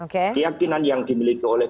keyakinan yang dimiliki oleh